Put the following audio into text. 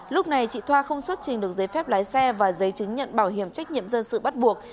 lúc này chị thoa không xuất trình được giấy phép lái xe và giấy chứng nhận bảo hiểm trách nhiệm dân sự bắt buộc